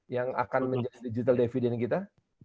yang akan menjadi digital dividend kita